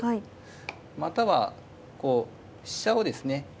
またはこう飛車をですね